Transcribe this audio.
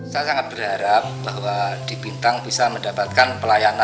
saya sangat berharap bahwa di bintang bisa mendapatkan pelayanan